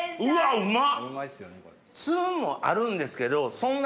うまっ！